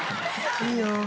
「いいーよ！！」。